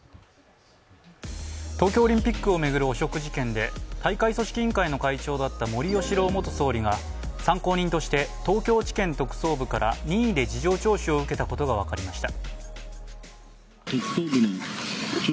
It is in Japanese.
東京オリンピックを巡る汚職事件で、大会組織委員会の会長だった森喜朗元総理が参考人として東京地検特捜部から任意で事情聴取を受けたことが分かりました。